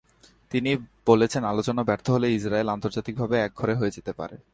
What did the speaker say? তিনি বলেছেন, আলোচনা ব্যর্থ হলে ইসরায়েল আন্তর্জাতিকভাবে একঘরে হয়ে যেতে পারে।